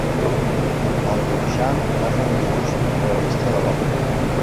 El dibuixant va fer un dibuix realista de l'home.